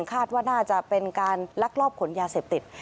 คาดว่าน่าจะเป็นการลักลอบขนยาเสพติด